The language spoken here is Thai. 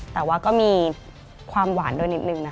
แต่ว่าก็มีความหวานด้วยนิดนึงนะคะ